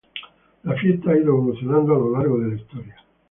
La fiesta ha ido evolucionando a lo largo de la historia.